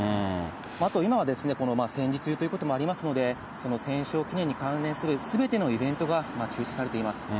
あと今は、戦時中ということもありますので、戦勝記念に関連するすべてのイベントが中止されています。